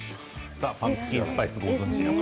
パンプキンスパイスご存じの方？